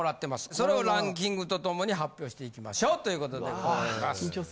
それをランキングと共に発表していきましょうという事でございます。